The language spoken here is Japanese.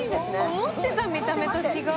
思ってた見た目と違う。